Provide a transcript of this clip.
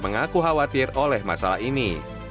mengaku khawatir oleh masalah ini